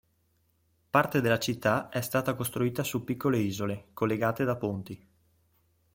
Parte della città è stata costruita su piccole isole collegate da ponti.